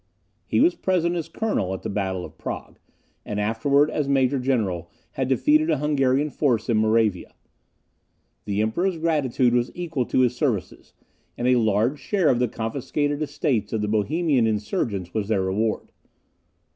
He was present as colonel at the battle of Prague, and afterwards, as major general, had defeated a Hungarian force in Moravia. The Emperor's gratitude was equal to his services, and a large share of the confiscated estates of the Bohemian insurgents was their reward.